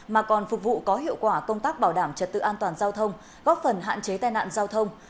mà còn phục vụ có hiệu quả công tác bảo đảm trật tự an toàn giao thông góp phần hạn chế tai nạn giao thông